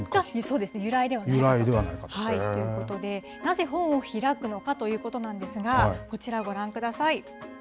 由来ではないかということで、なぜ、本を開くのかということなんですが、こちらご覧ください。